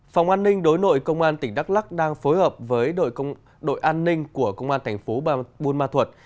phòng an ninh đối nội công an tỉnh đắk lắc đang phối hợp với đội an ninh của công an thành phố buôn ma thuật